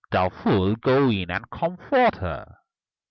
Thou fool, go in and comfort her!